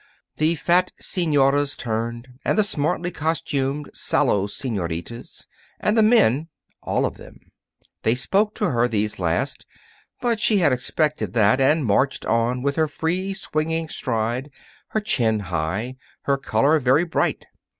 The fat senoras turned, and the smartly costumed, sallow senoritas, and the men all of them. They spoke to her, these last, but she had expected that, and marched on with her free, swinging stride, her chin high, her color very bright.